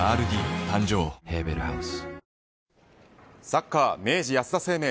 サッカー明治安田生命